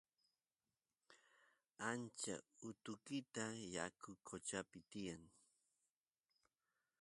ancha utukita yaku qochapi tiyan